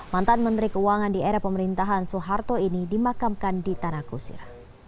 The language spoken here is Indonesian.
mantan menteri keuangan di era pemerintahan soeharto ini dimakamkan di tanah kusir